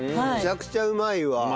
むちゃくちゃうまいわ。